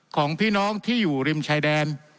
ของพี่น้องที่อยู่ริมชายแดน